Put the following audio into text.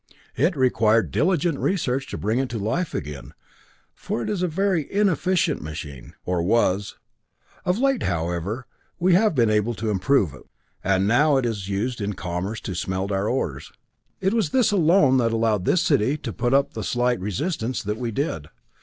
It required diligent research to bring it to life again, for it is a very inefficient machine or was. Of late, however, we have been able to improve it, and now it is used in commerce to smelt our ores. It was this alone that allowed this city to put up the slight resistance that we did.